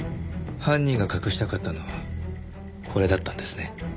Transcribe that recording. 犯人が隠したかったのはこれだったんですね。